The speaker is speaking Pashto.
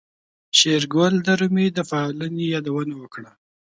شېرګل د رمې د پالنې يادونه وکړه.